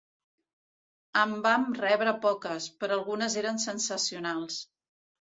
En vam rebre poques, però algunes eren sensacionals.